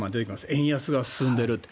円安が進んでいると。